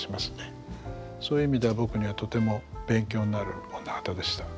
そういう意味では僕にはとても勉強になる女方でした。